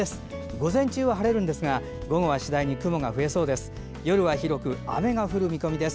午前中は晴れますが午後は次第に雲が増えそうです。